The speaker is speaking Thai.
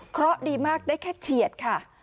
เพราะดีมากได้แค่เฉียดค่ะ